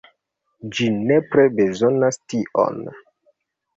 Ĝi nepre bezonas tion.